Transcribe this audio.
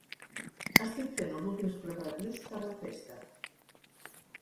Estic fent els últims preparatius per a la festa.